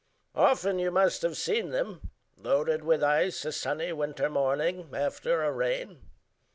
Often you must have seen them Loaded with ice a sunny winter morning After a rain.